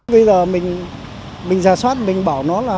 bây giờ mình ra soát mình bảo nó là